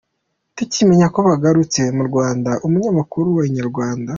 Tukimenya ko bagarutse mu Rwanda, umunyamakuru wa Inyarwanda.